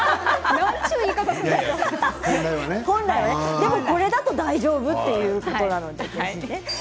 でも、これだと大丈夫ということですね。